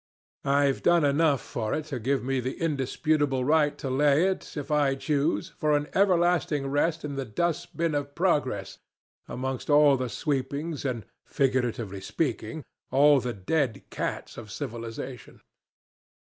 I've done enough for it to give me the indisputable right to lay it, if I choose, for an everlasting rest in the dust bin of progress, amongst all the sweepings and, figuratively speaking, all the dead cats of civilization.